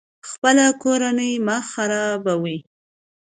خپله کورنۍ مه خرابوئ